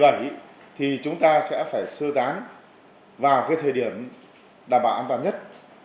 cùng ngày một mươi bảy thì chúng ta sẽ phải sơ tán vào cái thời điểm đảm bảo an toàn nhất